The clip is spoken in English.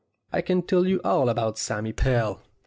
I can tell you all about Sammy Pell.